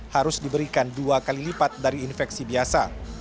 harus diberikan dua kali lipat dari infeksi biasa